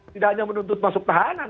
tidak hanya menuntut masuk tahanan